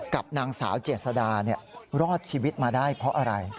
กับนางสาวเจษดารอดชีวิตมาได้เพราะอะไร